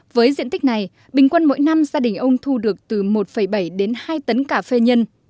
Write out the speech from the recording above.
với diện tích này bình quân mỗi năm gia đình ông thu được từ một bảy đến hai tấn cà phê nhân